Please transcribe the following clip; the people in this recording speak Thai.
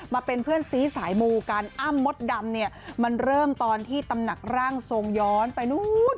มาเป็นเพื่อนซีสายมูกันอ้ำมดดำเนี่ยมันเริ่มตอนที่ตำหนักร่างทรงย้อนไปนู้น